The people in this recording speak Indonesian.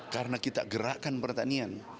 karena kita gerakan pertanian